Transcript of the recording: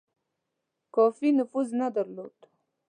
کافي نفوذ نه درلود.